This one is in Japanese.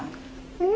うん？